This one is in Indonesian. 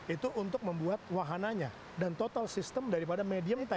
itu untuk membuat wahananya dan total sistem daripada medium tank